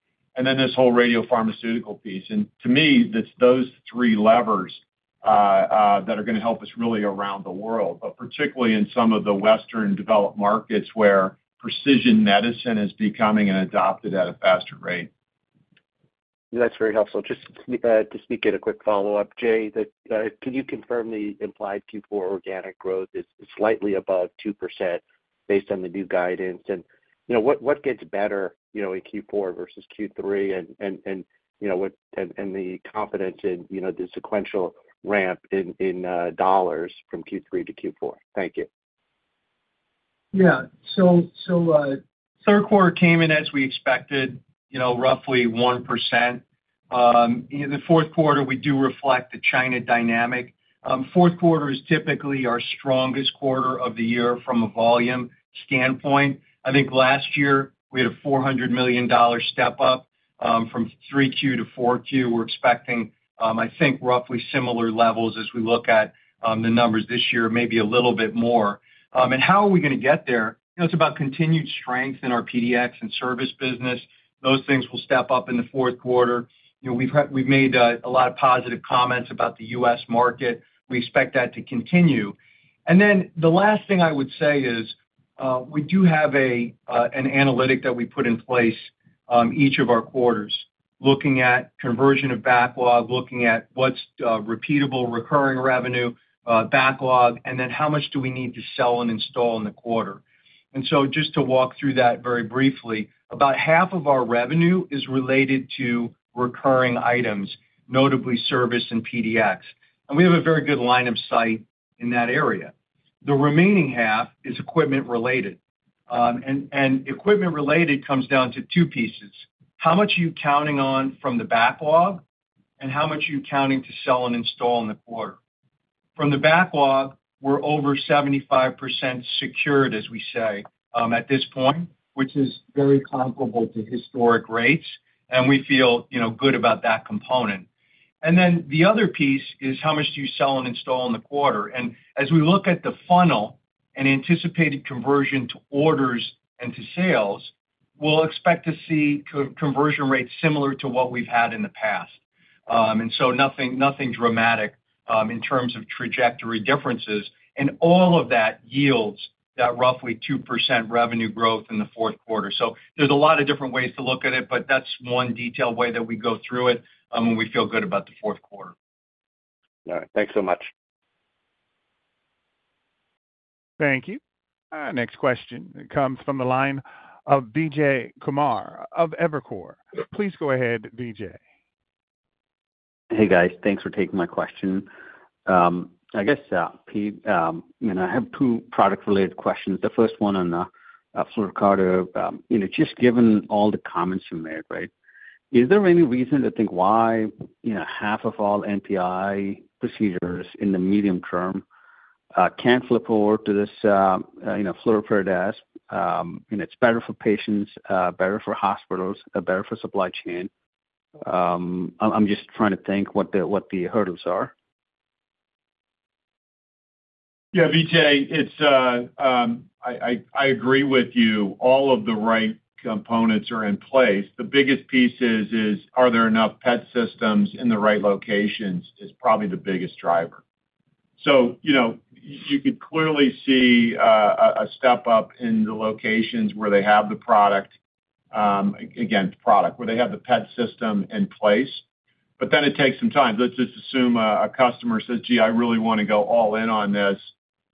Then this whole radiopharmaceutical piece. To me, it's those three levers that are going to help us really around the world, but particularly in some of the Western developed markets where precision medicine is becoming and adopted at a faster rate. That's very helpful. Just to sneak in a quick follow-up, Jay, can you confirm the implied Q4 organic growth is slightly above 2% based on the new guidance? And what gets better in Q4 versus Q3 and the confidence in the sequential ramp in dollars from Q3 to Q4? Thank you. Yeah. So third quarter came in as we expected, roughly 1%. The fourth quarter, we do reflect the China dynamic. Fourth quarter is typically our strongest quarter of the year from a volume standpoint. I think last year, we had a $400 million step up from 3Q to 4Q. We're expecting, I think, roughly similar levels as we look at the numbers this year, maybe a little bit more. And how are we going to get there? It's about continued strength in our PDX and service business. Those things will step up in the fourth quarter. We've made a lot of positive comments about the U.S. market. We expect that to continue. And then the last thing I would say is we do have an analytic that we put in place each of our quarters looking at conversion of backlog, looking at what's repeatable recurring revenue, backlog, and then how much do we need to sell and install in the quarter. And so just to walk through that very briefly, about half of our revenue is related to recurring items, notably service and PDX. And we have a very good line of sight in that area. The remaining half is equipment related. And equipment related comes down to two pieces. How much are you counting on from the backlog and how much are you counting to sell and install in the quarter? From the backlog, we're over 75% secured, as we say, at this point, which is very comparable to historic rates. And we feel good about that component. And then the other piece is how much do you sell and install in the quarter? And as we look at the funnel and anticipated conversion to orders and to sales, we'll expect to see conversion rates similar to what we've had in the past. And so nothing dramatic in terms of trajectory differences. And all of that yields that roughly 2% revenue growth in the fourth quarter. So there's a lot of different ways to look at it, but that's one detailed way that we go through it when we feel good about the fourth quarter. All right. Thanks so much. Thank you. Next question comes from the line of Vijay Kumar of Evercore. Please go ahead, Vijay. Hey, guys. Thanks for taking my question. I guess, Pete, I have two product-related questions. The first one on the Flyrcado. Just given all the comments you made, right, is there any reason to think why half of all MPI procedures in the medium term can't flip over to this Flyrcado? It's better for patients, better for hospitals, better for supply chain. I'm just trying to think what the hurdles are. Yeah, Vijay, I agree with you. All of the right components are in place. The biggest piece is, are there enough PET systems in the right locations is probably the biggest driver. So you could clearly see a step up in the locations where they have the product, again, product, where they have the PET system in place. But then it takes some time. Let's just assume a customer says, "Gee, I really want to go all in on this,"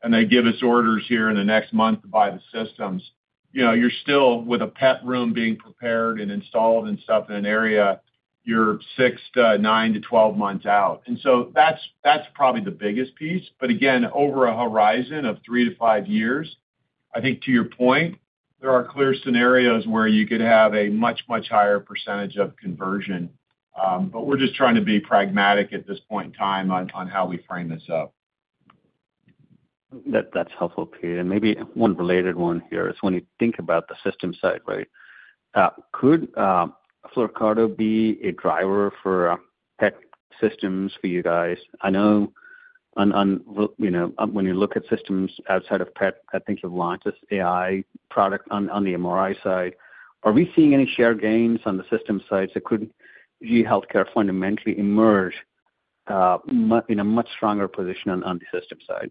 and they give us orders here in the next month to buy the systems. You're still with a PET room being prepared and installed and stuff in an area. You're six to nine to 12 months out. And so that's probably the biggest piece. But again, over a horizon of three to five years, I think to your point, there are clear scenarios where you could have a much, much higher percentage of conversion. But we're just trying to be pragmatic at this point in time on how we frame this up. That's helpful, Pete. And maybe one related one here is when you think about the system side, right, could Flyrcado be a driver for PET systems for you guys? I know when you look at systems outside of PET, I think you've launched this AI product on the MRI side. Are we seeing any share gains on the system side that could GE HealthCare fundamentally emerge in a much stronger position on the system side?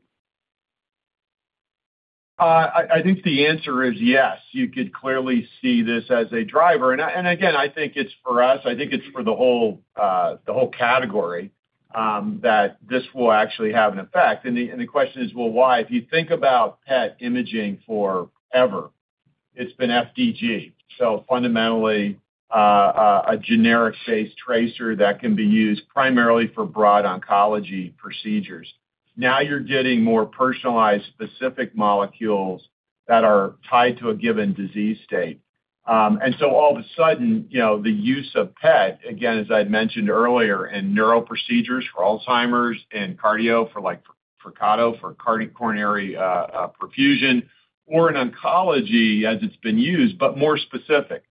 I think the answer is yes. You could clearly see this as a driver. And again, I think it's for us. I think it's for the whole category that this will actually have an effect. And the question is, well, why? If you think about PET imaging forever, it's been FDG. So fundamentally, a generic-based tracer that can be used primarily for broad oncology procedures. Now you're getting more personalized specific molecules that are tied to a given disease state. And so all of a sudden, the use of PET, again, as I had mentioned earlier, in neuroprocedures for Alzheimer's and cardio for like Flyrcado for coronary perfusion or in oncology as it's been used, but more specific.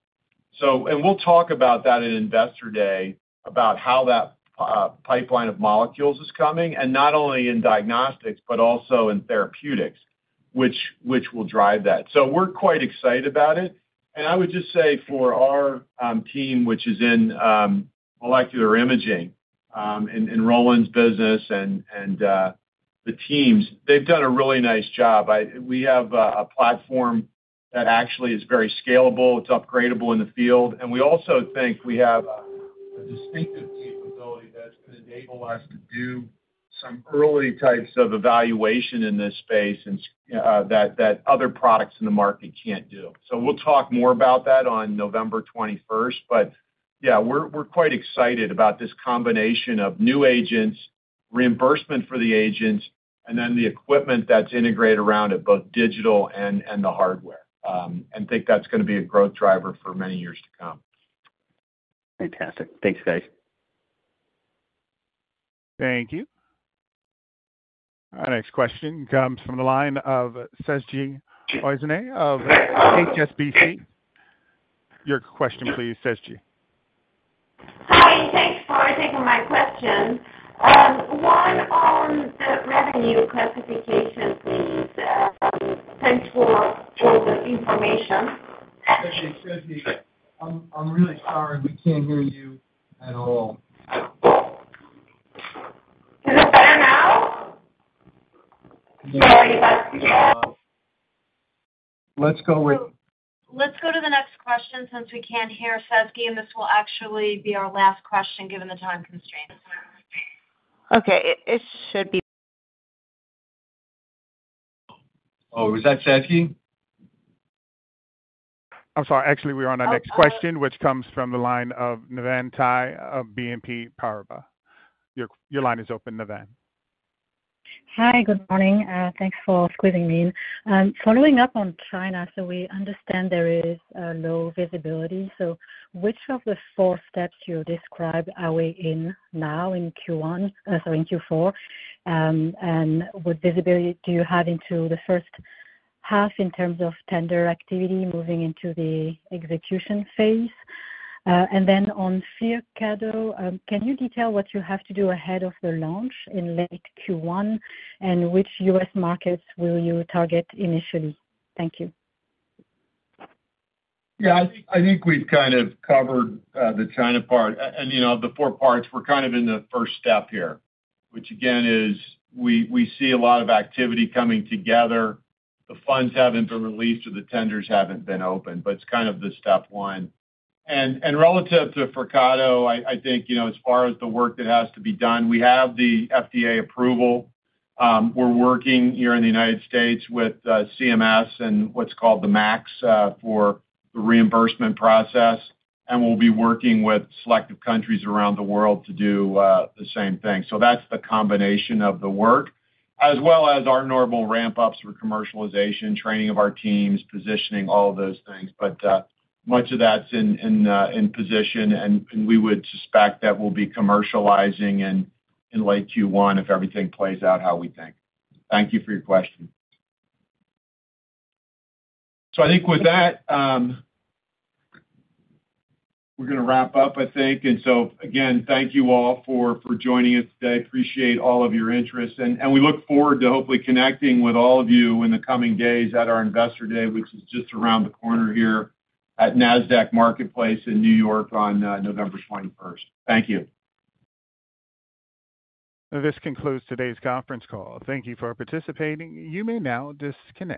And we'll talk about that at Investor Day, about how that pipeline of molecules is coming, and not only in diagnostics, but also in therapeutics, which will drive that. So we're quite excited about it. And I would just say for our team, which is in molecular imaging and Roland's business and the teams, they've done a really nice job. We have a platform that actually is very scalable. It's upgradable in the field. And we also think we have a distinctive capability that's going to enable us to do some early types of evaluation in this space that other products in the market can't do. So we'll talk more about that on November 21st. But yeah, we're quite excited about this combination of new agents, reimbursement for the agents, and then the equipment that's integrated around it, both digital and the hardware. And I think that's going to be a growth driver for many years to come. Fantastic. Thanks, guys. Thank you. Our next question comes from the line of Sezgi Ozener of HSBC. Your question, please, Sezgi. Hi. Thanks for taking my question. One on the revenue classification, please. Thanks for all the information. Sezgi, Sezgi, I'm really sorry. We can't hear you at all. Is it better now? Well. Let's go with. Let's go to the next question since we can't hear Sezgi, and this will actually be our last question given the time constraints. Okay. It should be. Oh, was that Sezgi? I'm sorry. Actually, we were on our next question, which comes from the line of Nevan Tai of BNP Paribas. Your line is open, Nevan. Hi. Good morning. Thanks for squeezing me in. Following up on China, so we understand there is low visibility. So which of the four steps you described are we in now in Q1, sorry, in Q4? And what visibility do you have into the first half in terms of tender activity moving into the execution phase? And then on Flyrcado, can you detail what you have to do ahead of the launch in late Q1, and which U.S. markets will you target initially? Thank you. Yeah. I think we've kind of covered the China part, and the four parts, we're kind of in the first step here, which again is we see a lot of activity coming together. The funds haven't been released or the tenders haven't been open, but it's kind of the step one, and relative to Flyrcado, I think as far as the work that has to be done, we have the FDA approval. We're working here in the United States with CMS and what's called the MAC for the reimbursement process, and we'll be working with selective countries around the world to do the same thing. So that's the combination of the work, as well as our normal ramp-ups for commercialization, training of our teams, positioning, all of those things, but much of that's in position. And we would suspect that we'll be commercializing in late Q1 if everything plays out how we think. Thank you for your question. So I think with that, we're going to wrap up, I think. And so again, thank you all for joining us today. Appreciate all of your interest. And we look forward to hopefully connecting with all of you in the coming days at our Investor Day, which is just around the corner here at Nasdaq Marketplace in New York on November 21st. Thank you. This concludes today's conference call. Thank you for participating. You may now disconnect.